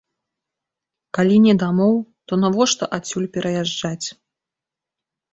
Калі не дамоў, то навошта адсюль пераязджаць?